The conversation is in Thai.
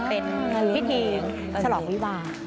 เป็นครีพิธีสรองวีว่า